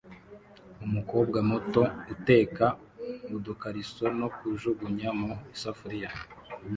Umukobwa muto uteka udukariso no kujugunya mu isafuriya